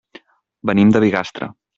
Venim de Bigastre.